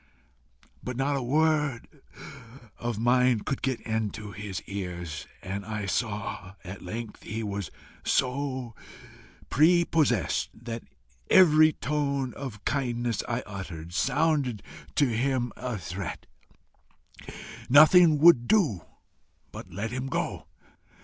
But not a word of mine could get into his ears, and I saw at length that he was so PRE possessed, that every tone of kindness I uttered, sounded to him a threat: nothing would do but let him go.